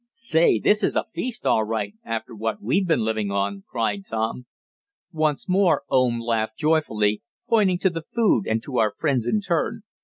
"Say, this is a feast all right, after what we've been living on!" cried Tom. Once more Oom laughed joyfully, pointing to the food and to our friends in turn.